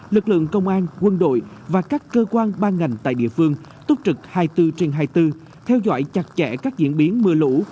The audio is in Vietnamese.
lực lượng công an quân đội và các cơ quan ban ngành tại địa phương túc trực hai mươi bốn trên hai mươi bốn theo dõi chặt chẽ các diễn biến mưa lũ